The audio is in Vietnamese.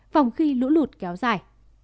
phòng khi lũ lụt kéo dài